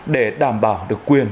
để đảm bảo được quyền